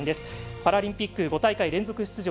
パラリンピック５大会連続出場